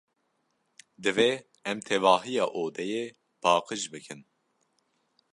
Divê em tevahiya odeyê paqij bikin.